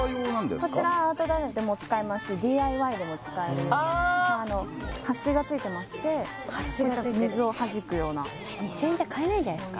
こちらアウトドアでも使えますしＤＩＹでも使える撥水がついてまして撥水がついてる２０００円じゃ買えないんじゃないですか